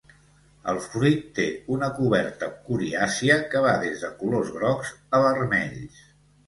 El fruit té una coberta coriàcia que va des de colors grocs a vermells.